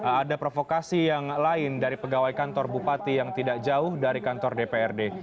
ada provokasi yang lain dari pegawai kantor bupati yang tidak jauh dari kantor dprd